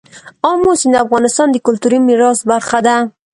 آمو سیند د افغانستان د کلتوري میراث برخه ده.